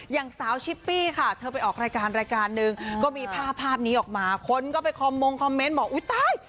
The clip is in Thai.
อย่างสาวชิปปี้ค่ะเธอไปออกรายการรายการหนึ่งก็มีภาพภาพนี้ออกมาคนก็ไปคอมมงคอมเมนต์บอกอุ๊ยตาย